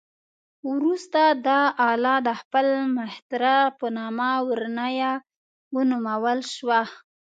وروسته دا آله د خپل مخترع په نامه "ورنیه" ونومول شوه.